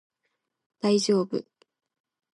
大丈夫